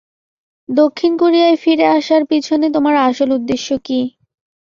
দক্ষিণ কোরিয়ায় ফিরে আসার পিছনে তোমার আসল উদ্দেশ্য কী?